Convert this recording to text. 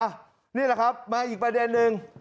นี่แหละครับมาอีกประเด็นนึง